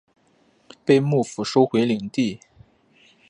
被幕府收回领地。